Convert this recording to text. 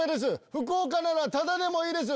福岡ならタダでもいいです